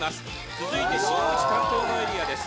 続いて新内担当のエリアです。